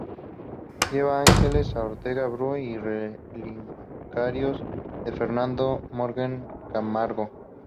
Lleva ángeles de Ortega Bru y relicarios de Fernando Marmolejo Camargo.